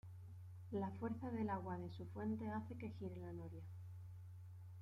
La fuerza del agua de su fuente hace que gire la noria.